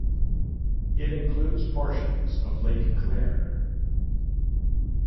It includes portions of Lake Claire.